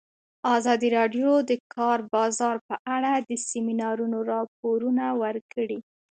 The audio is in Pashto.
ازادي راډیو د د کار بازار په اړه د سیمینارونو راپورونه ورکړي.